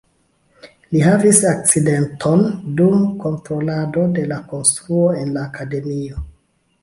Li havis akcidenton dum kontrolado de konstruo en la akademio.